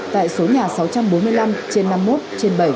tại số nhà sáu trăm bốn mươi năm trên năm mươi một trên bảy